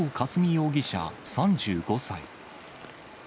容疑者３５歳。